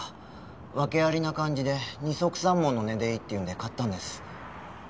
訳ありな感じで二束三文の値でいいって言うんで買ったんです。